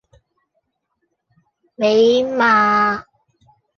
尾禡